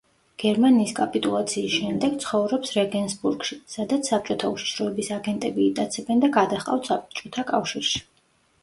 გერმანიის კაპიტულაციის შემდეგ ცხოვრობს რეგენსბურგში, სადაც საბჭოთა უშიშროების აგენტები იტაცებენ და გადაჰყავთ საბჭოთა კავშირში.